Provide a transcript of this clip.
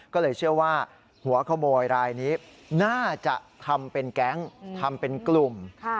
ก็เลยเชื่อว่าหัวขโมยรายนี้น่าจะทำเป็นแก๊งทำเป็นกลุ่ม